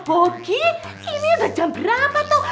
boki ini udah jam berapa tuh